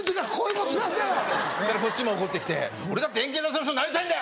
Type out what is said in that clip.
こっちも怒って来て「俺だって円形脱毛症になりたいんだよ！」。